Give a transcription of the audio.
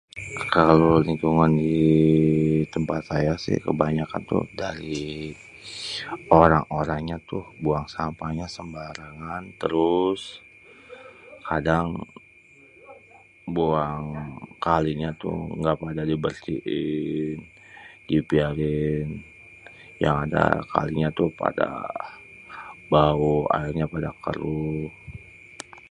Kalo lingkungan di tempat ayé sih kebanyakan kalo dari orang-orangnya tu buang sampahnya sembarangan. Terus kadang buang kalinya tuh gak pada dibersihin, dibiarin. Yang ada kalinya tu pada bau, aérnya pada keruh.